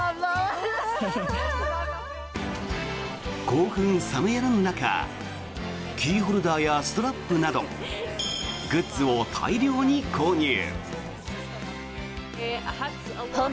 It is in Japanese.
興奮冷めやらぬ中キーホルダーやストラップなどグッズを大量に購入。